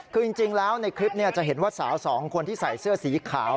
คือจริงแล้วในคลิปจะเห็นว่าสาวสองคนที่ใส่เสื้อสีขาว